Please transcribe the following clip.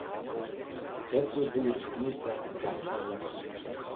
Betze Doede Stienstra kaam fan Lekkum.